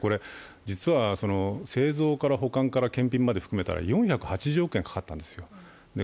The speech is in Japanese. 実は製造から保管から検品まで含めたら４８０億円かかったんですよ。